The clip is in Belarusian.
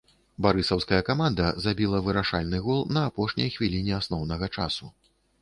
Барысаўская каманда забіла вырашальны гол на апошняй хвіліне асноўнага часу.